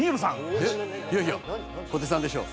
いやいや小手さんでしょ。